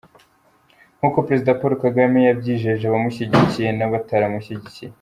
Nkuko Perezida Paul Kagame yabyijeje abamushyigikiye n’abataramushyigikiye.